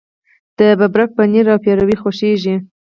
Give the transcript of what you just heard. د ببرک پنیر او پیروی خوښیږي.